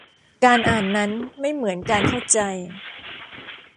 การอ่านนั้นไม่เหมือนการเข้าใจ